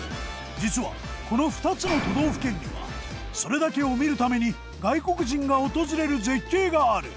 実はこの２つの都道府県にはそれだけを見るために外国人が訪れる絶景がある。